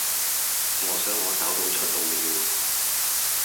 我想我找到出路了